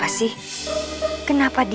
aku mau ke kamar